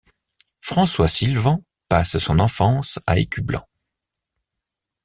François Silvant passe son enfance à Écublens.